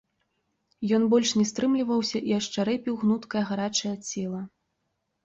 Ён больш не стрымліваўся і ашчарэпіў гнуткае гарачае цела.